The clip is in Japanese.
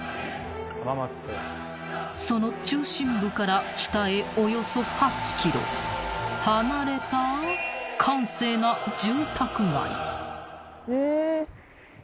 ［その中心部から北へおよそ８ｋｍ離れた閑静な住宅街］